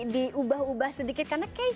diubah ubah sedikit karena kayaknya